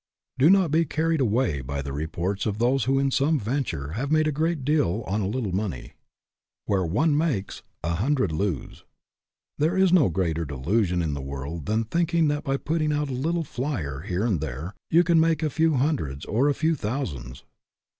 Do not be carried away by the reports of those who in some ven ture have made a great deal on a little money, Where one makes, a hundred lose. There is no greater delusion in the world than thinking that by putting out a little " flyer " here and there you can make a few hundreds or a few thousands.